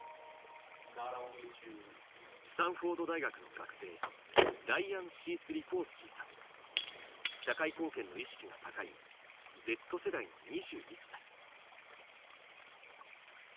スタンフォード大学の学生社会貢献の意識が高い「Ｚ世代」の２１歳。